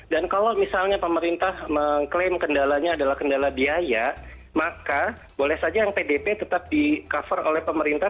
dan kalau misalnya pemerintah mengklaim kendalanya adalah kendala biaya maka boleh saja yang pdp tetap di cover oleh pemerintah